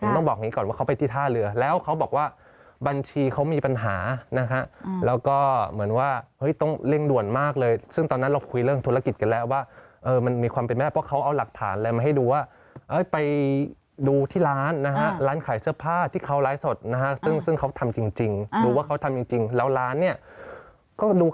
ต้องบอกอย่างนี้ก่อนว่าเขาไปที่ท่าเรือแล้วเขาบอกว่าบัญชีเขามีปัญหานะฮะแล้วก็เหมือนว่าเฮ้ยต้องเร่งด่วนมากเลยซึ่งตอนนั้นเราคุยเรื่องธุรกิจกันแล้วว่ามันมีความเป็นแม่เพราะเขาเอาหลักฐานอะไรมาให้ดูว่าไปดูที่ร้านนะฮะร้านขายเสื้อผ้าที่เขาไลฟ์สดนะฮะซึ่งเขาทำจริงดูว่าเขาทำจริงแล้วร้านเนี่ยก็ดู